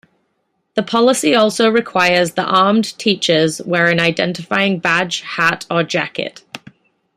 The policy also requires the armed teachers wear an identifying badge, hat or jacket.